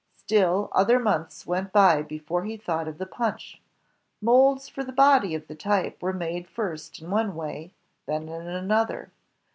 Still other months went by before he thought of the punch. Molds for the body of the type were made first in one way, then in another.